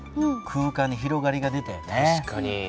空間に広がりが出たよね。